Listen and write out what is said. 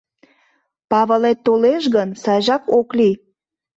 Павылет толеш гын, сайжак ок лий.